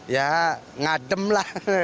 ya ngadem lah